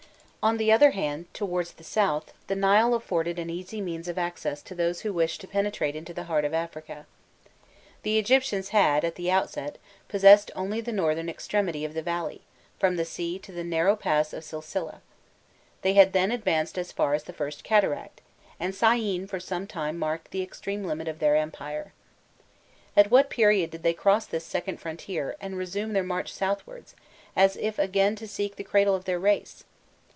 On the other hand, towards the south, the Nile afforded an easy means of access to those who wished to penetrate into the heart of Africa. The Egyptians had, at the outset, possessed only the northern extremity of the valley, from the sea to the narrow pass of Silsileh; they had then advanced as far as the first cataract, and Syene for some time marked the extreme limit of their empire. At what period did they cross this second frontier and resume their march southwards, as if again to seek the cradle of their race?